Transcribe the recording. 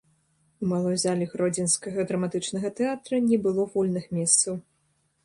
У малой зале гродзенскага драматычнага тэатра не было вольных месцаў.